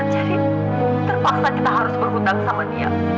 jadi terpaksa kita harus berhutang sama dia